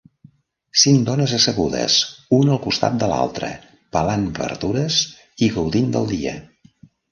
Cinc dones assegudes una al costat de l'altre pelant verdures i gaudint del dia.